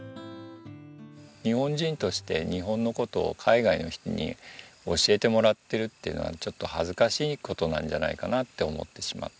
日本人として日本の事を海外の人に教えてもらってるっていうのはちょっと恥ずかしい事なんじゃないかなと思ってしまって。